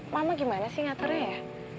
mama gimana sih ngaturnya ya